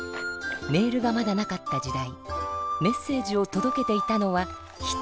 メールがまだなかった時代メッセージをとどけていたのは人。